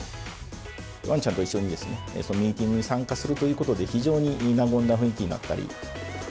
わんちゃんと一緒にミーティングに参加するということで、非常に和んだ雰囲気になったり。